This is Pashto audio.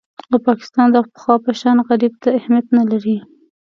او پاکستان د پخوا په شان غرب ته اهمیت نه لري